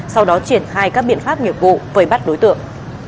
sau đó triển khai các biện pháp nhiệm vụ với bắt đối tượng